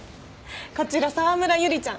こちら沢村百合ちゃん